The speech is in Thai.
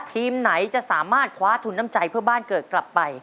ทีมไหนจะสามารถคว้าทุนน้ำใจเพื่อบ้านเกิดกลับไป